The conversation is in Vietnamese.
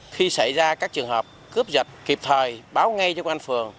khi xảy ra các trường hợp cướp giật kịp thời báo ngay cho quan phường